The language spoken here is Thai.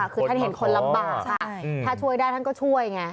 คือท่านเห็นคนลำบากถ้าช่วยได้ท่านก็ช่วยไง